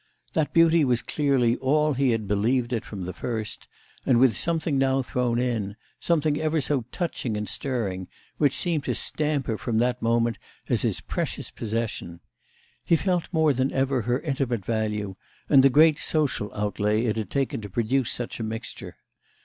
That beauty was clearly all he had believed it from the first, and with something now thrown in, something ever so touching and stirring, which seemed to stamp her from that moment as his precious possession. He felt more than ever her intimate value and the great social outlay it had taken to produce such a mixture.